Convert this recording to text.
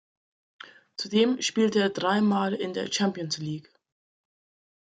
Zudem spielte er drei Mal in der Champions League.